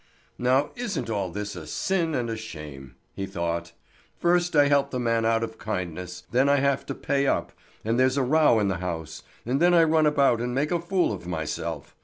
"Now isn't all this a sin and a shame!" he thought. "First I help the man out of kindness, then I have to pay up, then there's a row in the house, and then I run about and make a fool of myself.